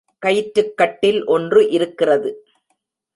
கயிற்றுக் கட்டில் ஒன்று இருக்கிறது.